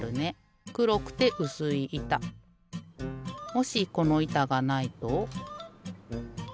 もしこのいたがないと。